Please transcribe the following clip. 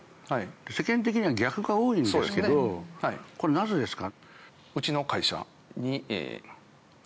世間的には逆が多いんですけどこれなぜですか？